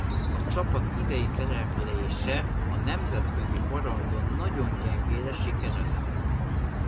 A csapat idei szereplése a nemzetközi porondon nagyon gyengére sikeredett.